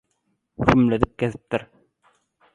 «hümledip» gezipdir.